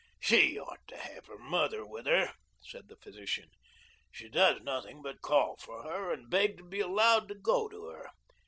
"She ought to have her mother with her," said the physician. "She does nothing but call for her or beg to be allowed to go to her.